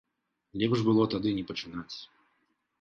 Лепш было тады не пачынаць.